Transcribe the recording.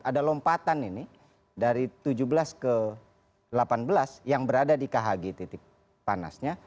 ada lompatan ini dari tujuh belas ke delapan belas yang berada di khg titik panasnya